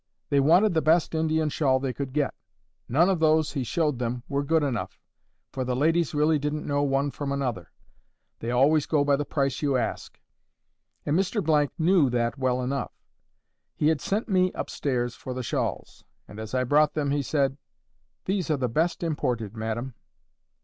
They wanted the best Indian shawl they could get. None of those he showed them were good enough, for the ladies really didn't know one from another. They always go by the price you ask, and Mr— knew that well enough. He had sent me up stairs for the shawls, and as I brought them he said, "These are the best imported, madam."